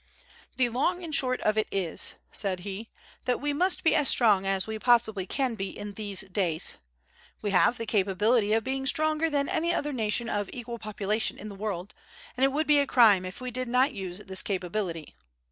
"The long and the short of it is," said he, "that we must be as strong as we possibly can be in these days. We have the capability of being stronger than any other nation of equal population in the world, and it would be a crime if we did not use this capability.